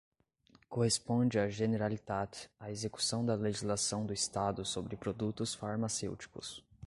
Corresponde à Generalitat a execução da legislação do Estado sobre produtos farmacêuticos.